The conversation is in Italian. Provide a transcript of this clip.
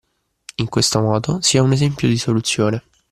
In questo modo si ha un esempio di soluzione